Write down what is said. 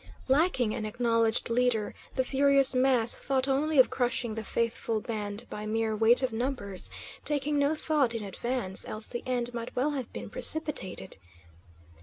Lacking an acknowledged leader, the furious mass thought only of crushing the faithful band by mere weight of numbers, taking no thought in advance, else the end might well have been precipitated.